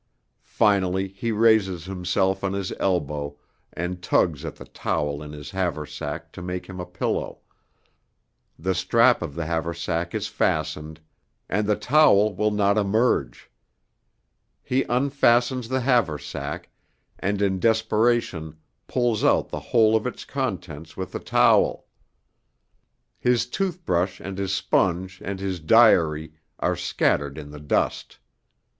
Finally he raises himself on his elbow and tugs at the towel in his haversack to make him a pillow; the strap of the haversack is fastened, and the towel will not emerge. He unfastens the haversack, and in desperation pulls out the whole of its contents with the towel. His toothbrush and his sponge and his diary are scattered in the dust.